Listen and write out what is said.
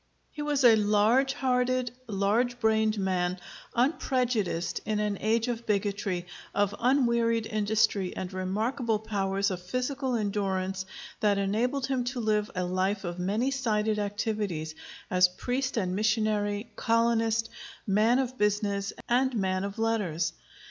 He was a large hearted, large brained man, unprejudiced in an age of bigotry; of unwearied industry and remarkable powers of physical endurance that enabled him to live a life of many sided activities, as priest and missionary, colonist, man of business, and man of letters.